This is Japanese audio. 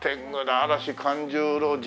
嵐寛寿郎。